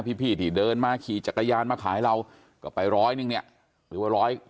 พี่ที่เดินมาขี่จักรยานมาขายเราก็ไปร้อยหนึ่งเนี่ยหรือว่าร้อย